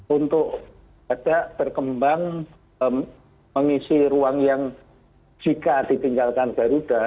untuk berkembang mengisi ruang yang jika ditinggalkan garuda